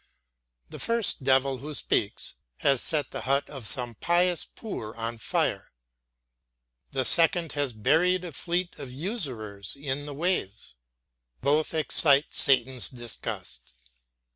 The first devil who speaks has set the hut of some pious poor on fire; the second has buried a fleet of usurers in the waves. Both excite Satan's disgust.